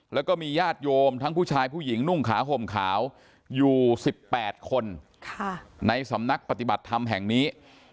แล้วก็มีญาติโยมทั้งผู้ชายผู้หญิงนุ่งขาห่มขาวอยู่๑๘คนในสำนักปฏิบัติธรรมแห่งนี้